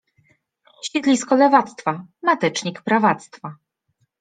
Siedlisko lewactwa. Matecznik prawactwa.